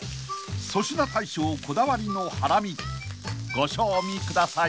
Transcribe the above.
［粗品大将こだわりのハラミご賞味ください］